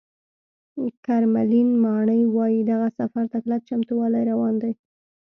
کرملین ماڼۍ وایي، دغه سفر ته کلک چمتووالی روان دی